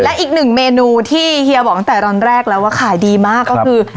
และอีกหนึ่งเมนูที่เฮียบอกตั้งแต่ตอนแรกแล้วว่าขายดีมากก็คือ